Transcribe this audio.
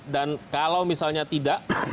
dan kalau misalnya tidak